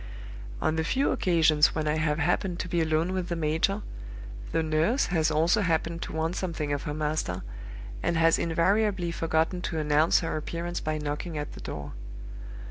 "On the few occasions when I have happened to be alone with the major, the nurse has also happened to want something of her master, and has invariably forgotten to announce her appearance by knocking, at the door.